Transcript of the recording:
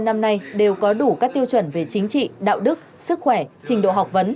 năm nay đều có đủ các tiêu chuẩn về chính trị đạo đức sức khỏe trình độ học vấn